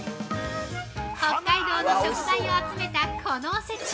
◆北海道の食材を集めたこのおせち。